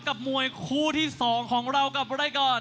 กับมวยคู่ที่สองของเรากลับมาได้ก่อน